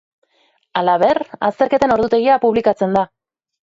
Halaber, azterketen ordutegia publikatzen da.